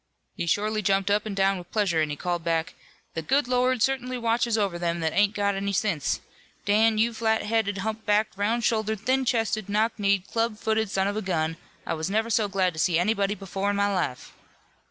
He shorely jumped up an' down with pleasure an' he called back: 'The good Lord certainly watches over them that ain't got any sense. Dan, you flat headed, hump backed, round shouldered, thin chested, knock kneed, club footed son of a gun, I was never so glad to see anybody before in my life.'